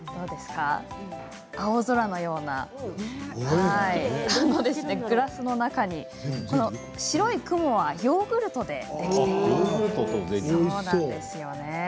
青空のようなグラスの中に白い雲はヨーグルトでできているんです。